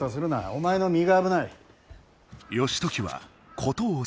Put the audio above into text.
お前の身が危ない。